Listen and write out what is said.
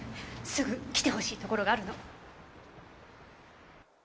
すぐ来てほしいところがあるの。